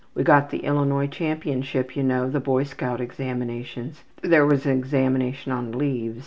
We got the Illinois championship you know, the boy scout examinations. There was an examination on leaves.